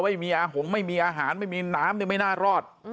ไม่มีอาหงษ์ไม่มีอาหารไม่มีน้ำไม่น่ารอด